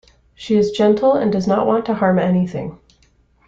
She is gentle and does not want to harm anything.